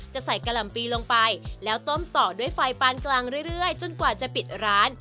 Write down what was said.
จะใส่กะหล่ำปีลงไปแล้วต้มต่อด้วยไฟปานกลางเรื่อยจนกว่าจะปิดร้าน